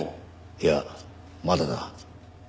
いやまだだ。